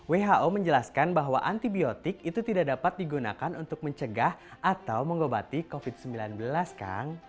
who menjelaskan bahwa antibiotik itu tidak dapat digunakan untuk mencegah atau mengobati covid sembilan belas kang